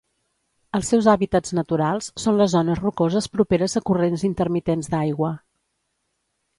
Els seus hàbitats naturals són les zones rocoses properes a corrents intermitents d'aigua.